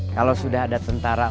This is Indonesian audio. kalau sudah ada tentara